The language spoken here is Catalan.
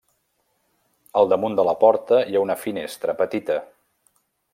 Al damunt de la porta hi ha una finestra petita.